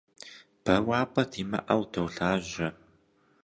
Бэуапӏэ димыӏэу долажьэ.